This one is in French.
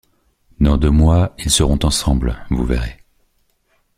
Dans deux mois, ils seront ensemble, vous verrez.